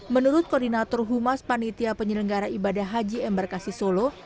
menurut koordinator humas panitia penyelenggara ibadah haji embarkasi solo